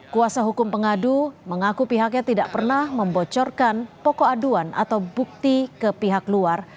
kuasa hukum pengadu mengaku pihaknya tidak pernah membocorkan pokok aduan atau bukti ke pihak luar